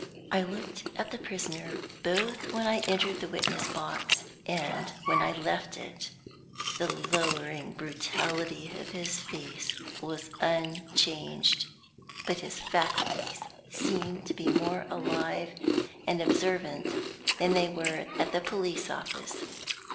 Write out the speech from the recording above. I looked at the prisoner both when I entered the witness box and when I left it. The lowering brutality of his face was unchanged, but his faculties seemed to be more alive and observant than they were at the police office.